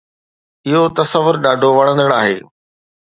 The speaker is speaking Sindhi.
اهو تصور ڏاڍو وڻندڙ آهي